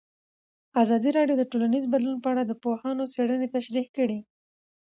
ازادي راډیو د ټولنیز بدلون په اړه د پوهانو څېړنې تشریح کړې.